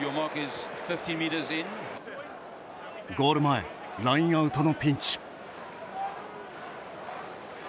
ゴール前、ラインアウトのピンチ。